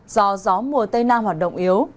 do gió mùa tây nam hoạt động yếu